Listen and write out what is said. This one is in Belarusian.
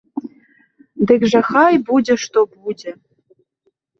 Дык жа хай будзе што будзе!